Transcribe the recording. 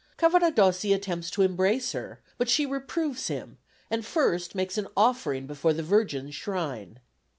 Cavaradossi attempts to embrace her, but she reproves him, and first makes an offering before the Virgin's shrine.